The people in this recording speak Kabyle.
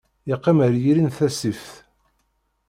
Yeqqim ar yiri n tasift.